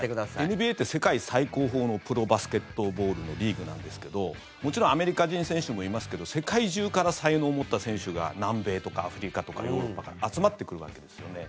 ＮＢＡって、世界最高峰のプロバスケットボールのリーグなんですけどもちろんアメリカ人選手もいますけど世界中から才能を持った選手が南米とかアフリカとかヨーロッパから集まってくるわけですよね。